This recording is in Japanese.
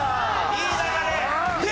いい流れ！